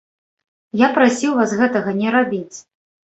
Я прасіў вас гэтага не рабіць.